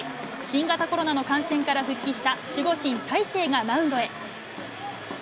新型コロナの感染から復帰した守護神、大勢がマウンドへ。